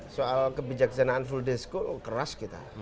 soal kebijaksanaan full disco keras kita